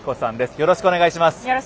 よろしくお願いします。